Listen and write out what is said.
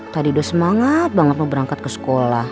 tadi udah semangat banget mau berangkat ke sekolah